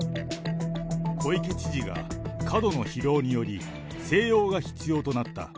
小池知事が、過度の疲労により、静養が必要となった。